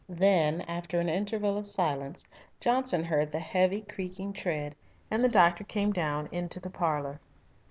Then, after an interval of silence, Johnson heard the heavy, creaking tread and the doctor came down into the parlour.